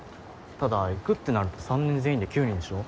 ただ行くってなると３年全員で９人でしょ。